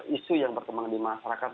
isu yang berkembang di masyarakat